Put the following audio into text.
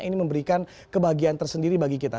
ini memberikan kebahagiaan tersendiri bagi kita